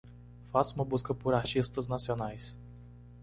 Faça uma busca por artistas nacionais.